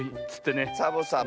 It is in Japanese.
サボさん